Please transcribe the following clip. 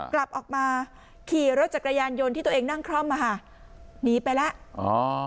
กลับออกมาขี่รถจักรยานยนต์ที่ตัวเองนั่งคล่อมมาค่ะหนีไปแล้วอ๋อ